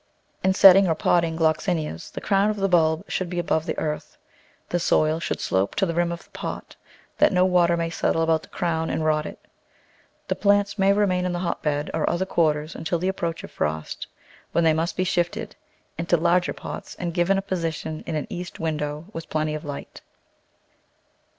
In setting or potting Gloxinias the crown of the bulb should be above the earth, the soil should slope to the rim of the pot, that no water may settle about the crown and rot it. The plants may remain in the hotbed or other quarters until the approach of frost, when they must be shifted into larger pots and given a position in an east window with plenty of light.